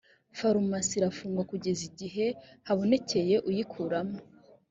farumasi irafungwa kugeza igihe habonekeye uyikoramo